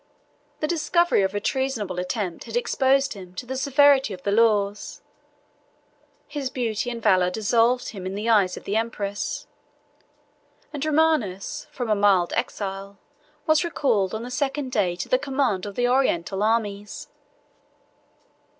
The discovery of a treasonable attempt had exposed him to the severity of the laws: his beauty and valor absolved him in the eyes of the empress; and Romanus, from a mild exile, was recalled on the second day to the command of the Oriental armies.